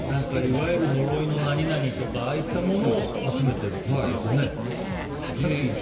いわゆる呪いの何々とかああいったものを集めてるということですよね。